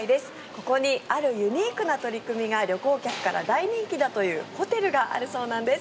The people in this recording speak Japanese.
ここにあるユニークな取り組みが旅行客から大人気だというホテルがあるそうなんです。